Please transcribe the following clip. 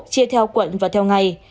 chia theo quận và theo ngày